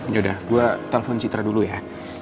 yaudah gue telepon citra dulu ya